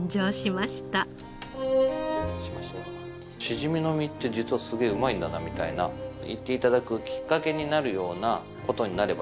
しじみの身って実はすごいうまいんだなみたいな言って頂くきっかけになるような事になればいいなと。